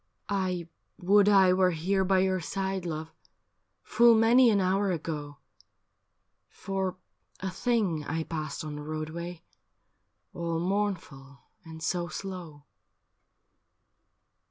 ' I would I were here by your side, love, Full many an hour ago, For a thing I passed on the roadway All mournful and so slow.'